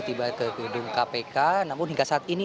tiba ke gedung kpk namun hingga saat ini